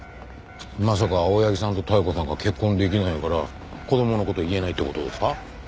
まさか青柳さんと妙子さんが結婚できないから子供の事言えないって事ですか？